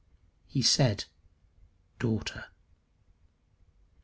He said "Daughter."